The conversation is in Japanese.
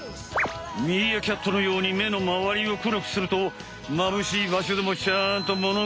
ミーアキャットのように目のまわりを黒くするとまぶしいばしょでもちゃんと物が見えるのか？